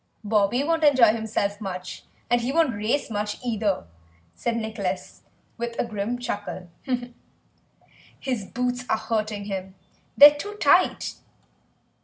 "Bobby won't enjoy himself much, and he won't race much either," said Nicholas with a grim chuckle; "his boots are hurting him. They're too tight."